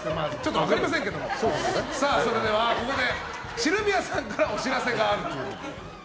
それでは、ここでシルビアさんからお知らせがあると。